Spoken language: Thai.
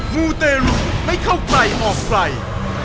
มูเตรุไม่เข้าใกล้ออกไกล